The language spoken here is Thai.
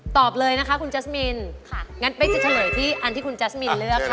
ตอบเลยนะคะคุณแจ๊สมินค่ะงั้นเป๊กจะเฉลยที่อันที่คุณแจ๊สมินเลือกค่ะ